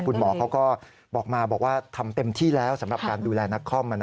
คุณหมอเขาก็บอกมาบอกว่าทำเต็มที่แล้วสำหรับการดูแลนักคอม